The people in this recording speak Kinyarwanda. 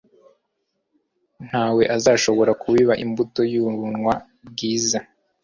Ntawe azashobora kubiba imbuto y'ubuuunwa bwiza